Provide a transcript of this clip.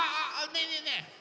ねえねえねえ！